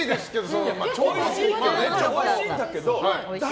おいしいんだけど誰